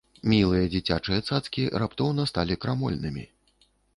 Мілыя дзіцячыя цацкі раптоўна сталі крамольнымі.